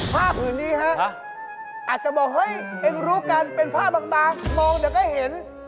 ภาพนี้ฮะอาจจะบอกเฮ้ยเองรู้กันเป็นภาพบางมองเดี๋ยวก็เห็น